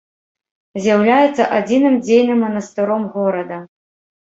З'яўляецца адзіным дзейным манастыром горада.